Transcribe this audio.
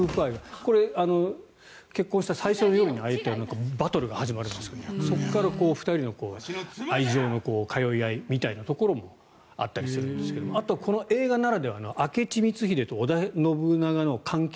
これ、結婚した最初の夜にああやってバトルが始まるんですがそこから２人の愛情の通い合いみたいなところもあったりするんですがあとは、映画ならではの明智光秀と織田信長の関係。